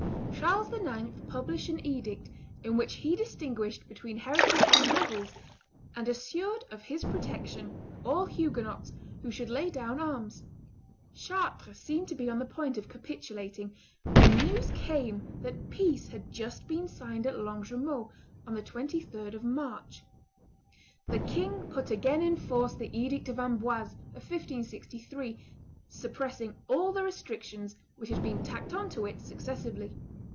Charles IX. published an edict in which he distinguished between heretics and rebels, and assured of his protection all Huguenots who should lay down arms. Chartres seemed to be on the point of capitulating, when news came that peace had just been signed at Longjumeau, on the 23d of March. The king put again in force the edict of Amboise of 1563, suppressing all the restrictions which had been tacked on to it successively.